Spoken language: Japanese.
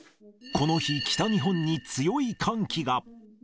この日、北日本に強い寒気が。